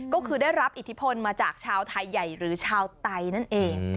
ก็คือได้รับอิทธิพลมาจากชาวไทยใหญ่หรือชาวไตนั่นเอง